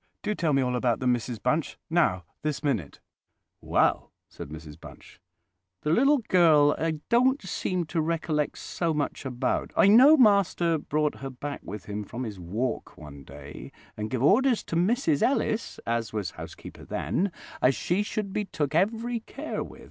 Do tell me all about them, Mrs Bunch—now, this minute!" "Well," said Mrs Bunch, "the little girl I don't seem to recollect so much about. I know master brought her back with him from his walk one day, and give orders to Mrs Ellis, as was housekeeper then, as she should be took every care with.